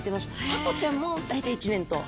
タコちゃんも大体１年と。